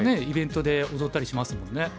イベントで踊ったりしますもんね。